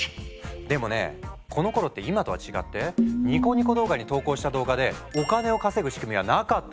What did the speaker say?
でもねこのころって今とは違ってニコニコ動画に投稿した動画でお金を稼ぐ仕組みはなかったの。